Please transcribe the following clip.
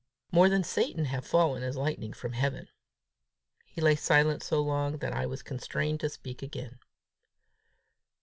More than Satan have fallen as lightning from heaven!" He lay silent so long that I was constrained to speak again.